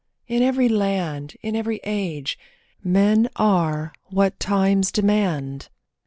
In every land, In every age, men are what times demand.